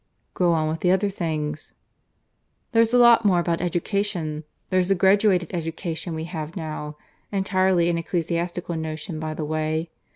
"Go on with the other things." "There's a lot more about education. There's the graduated education we have now (entirely an ecclesiastical notion, by the way).